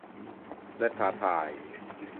และท้าทาย